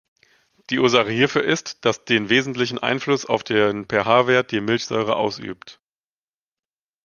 Die Ursache hierfür ist, dass den wesentlichen Einfluss auf den pH-Wert die Milchsäure ausübt.